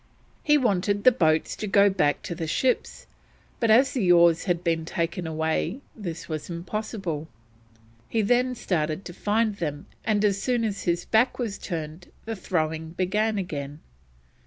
He wanted the boats to go back to the ships, but as the oars had been taken away this was impossible. He then started to find them, and as soon as his back was turned the throwing began again.